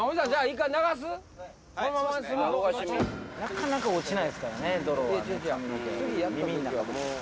なかなか落ちないですからね泥は。